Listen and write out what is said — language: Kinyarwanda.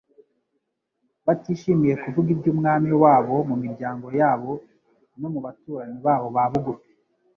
Batishimiye kuvuga iby'Umwami wabo mu miryango yabo no mu baturanyi babo ba bugufi,